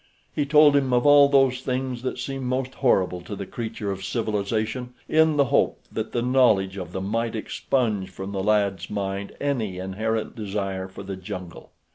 He told him of all those things that seem most horrible to the creature of civilization in the hope that the knowledge of them might expunge from the lad's mind any inherent desire for the jungle.